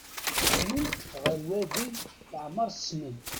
Kecmen-d ɣer wadeg leɛmer ssnen.